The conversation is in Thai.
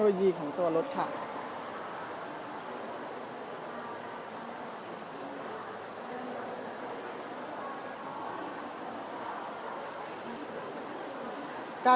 เดี๋ยวจะให้ดูว่าค่ายมิซูบิชิเป็นอะไรนะคะ